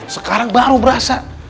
sekarang baru berasa